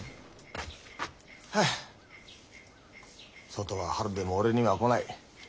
ハア外は春でも俺には来ない。